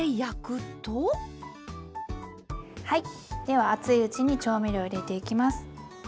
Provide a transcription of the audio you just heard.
では熱いうちに調味料入れていきます。